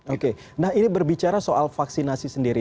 oke nah ini berbicara soal vaksinasi sendiri